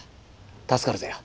助かるぜよ。